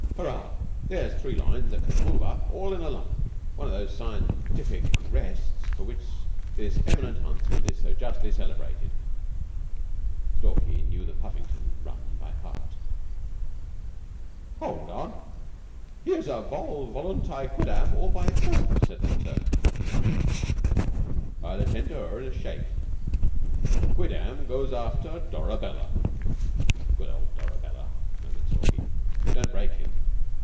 Hurrah! Here's three lines that can move up all in a lump." "'One of those scientific rests for which this eminent huntsman is so justly celebrated.'" Stalky knew the Puffington run by heart. "Hold on! Here's a vol voluntate quidnam all by itself," said McTurk. "I'll attend to her in a shake. Quidnam goes after Dolabella." "Good old Dolabella," murmured Stalky. "Don't break him.